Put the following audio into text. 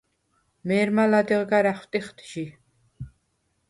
მე̄რმა ლადეღ გარ ა̈ხვტიხდ ჟი.